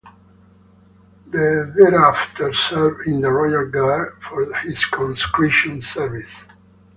He thereafter served in the Royal Guards for his conscription service.